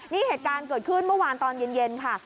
นี่เหตุการณ์เกิดขึ้นเมื่อวานตอนเย็นค่ะ